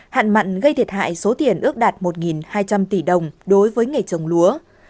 hạn mặn gây thiệt hại số tiền ước đạt một hai trăm linh tỷ đồng đối với nghề trồng lúa